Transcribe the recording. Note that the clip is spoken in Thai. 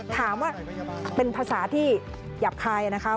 ถามว่าเป็นภาษาที่หยาบคายนะคะ